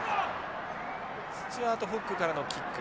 スチュアートホッグからのキック。